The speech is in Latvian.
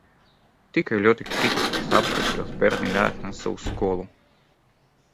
Tikai ļoti kritiskos apstākļos bērni neatnāca uz skolu.